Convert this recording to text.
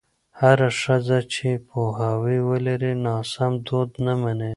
هره ښځه چې پوهاوی ولري، ناسم دود نه مني.